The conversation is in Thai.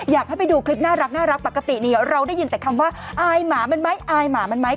อยากให้ไปดูคลิปน่ารักปกตินี่เราได้ยินแต่คำว่าอายหมามันไหมอายหมามันไหม